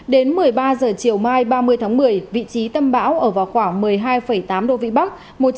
đến một mươi ba h chiều mai ba mươi tháng một mươi vị trí tâm bão ở vào khoảng một mươi hai tám độ vĩ bắc